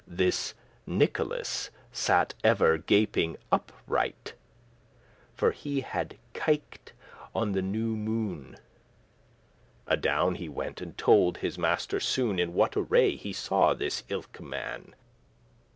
This Nicholas sat ever gaping upright, As he had kyked* on the newe moon. *looked <24> Adown he went, and told his master soon, In what array he saw this ilke* man.